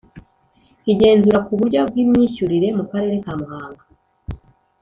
Igenzura ku buryo bw imyishyurire mu Karere ka Muhanga